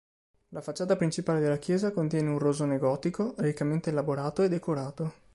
La facciata principale della chiesa contiene un rosone gotico, riccamente elaborato e decorato.